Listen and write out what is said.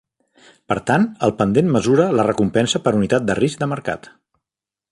Per tant, el pendent mesura la recompensa per unitat de risc de mercat.